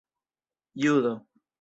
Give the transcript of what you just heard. judo